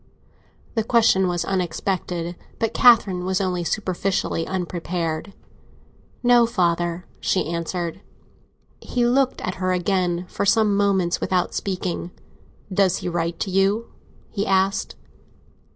The question was unexpected, but Catherine was only superficially unprepared. "No, father!" she answered. He looked at her again for some moments, without speaking. "Does he write to you?" he asked.